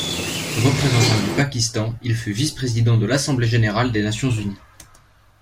Représentant du Pakistan, il fut vice-président de l'Assemblée générale des Nations unies.